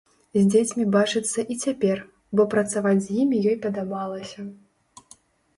З дзецьмі бачыцца і цяпер, бо працаваць з імі ёй падабалася.